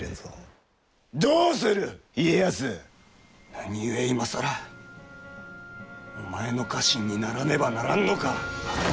何故今更お前の家臣にならねばならんのか！